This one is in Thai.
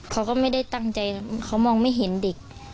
เขาก็ไม่ได้ตั้งใจเขามองไม่เห็นเด็ก